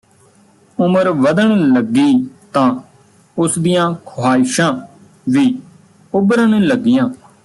ਉਮਰ ਵਧਣ ਲੱਗੀ ਤਾਂ ਉਸਦੀਆਂ ਖੁਹਾਇਸ਼ਾਂ ਵੀ ਉ¤ਭਰਨ ਲੱਗੀਆਂ